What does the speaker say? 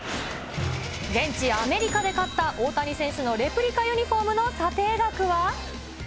現地、アメリカで買った大谷選手のレプリカユニホームの査定額は。